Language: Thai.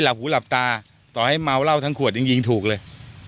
หูหลับตาต่อให้เมาเหล้าทั้งขวดยังยิงถูกเลย